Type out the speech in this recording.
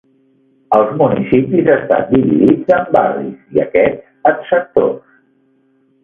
Els municipis estan dividits en barris i aquests en sectors.